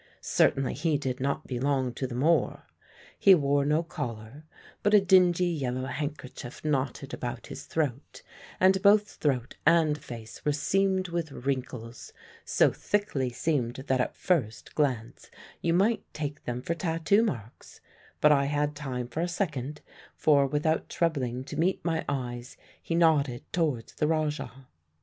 Certainly he did not belong to the moor. He wore no collar, but a dingy yellow handkerchief knotted about his throat, and both throat and face were seamed with wrinkles so thickly seamed that at first glance you might take them for tattoo marks; but I had time for a second, for without troubling to meet my eyes he nodded towards the Rajah.